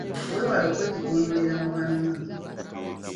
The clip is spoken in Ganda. Weewale okwetigoonyolera mu banno.